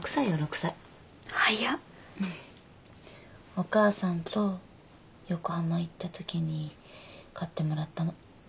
お母さんと横浜行ったときに買ってもらったの。